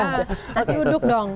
nasi uduk dong